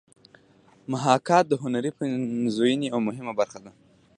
محاکات د هنري پنځونې یوه مهمه برخه ده